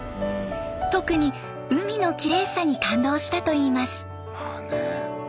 特に海のきれいさに感動したといいます。